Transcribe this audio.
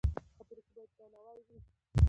خبرو کې باید درناوی وي